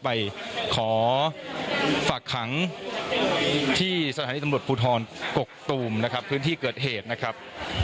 ไปขอฝากขังที่สถานีตำรวจภูทรกกตูมนะครับพื้นที่เกิดเหตุนะครับ